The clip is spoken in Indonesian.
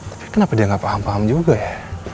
tapi kenapa dia nggak paham paham juga ya